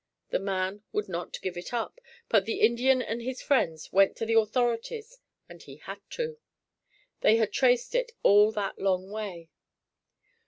The man would not give it up, but the Indian and his friends went to the authorities and he had to. They had traced it all that long way.